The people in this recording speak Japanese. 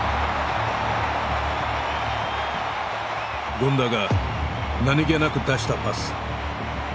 権田が何気なく出したパス。